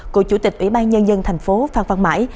của chủ tịch ủy ban nhân dân tp văn văn mãi